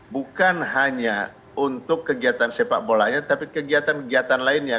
bukan hanya untuk kegiatan sepak bolanya tapi kegiatan kegiatan lainnya